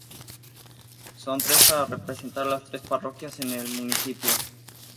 Son tres para representar las tres parroquias en el municipio.